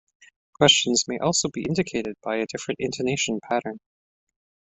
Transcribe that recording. Questions may also be indicated by a different intonation pattern.